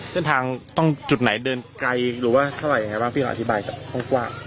เส้นทางต้องจุดไหนเดินไกลหรือว่าเท่าไหร่ยังไงบ้างพี่เราอธิบายจากห้องกว้าง